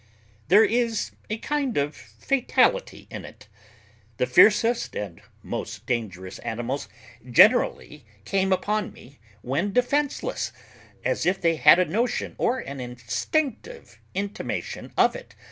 There is a kind of fatality in it. The fiercest and most dangerous animals generally came upon me when defenceless, as if they had a notion or an instinctive intimation of it.